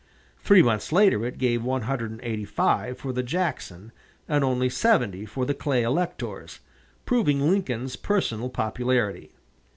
Three months later it gave one hundred and eighty five for the Jackson and only seventy for the Clay electors, proving Lincoln's personal popularity.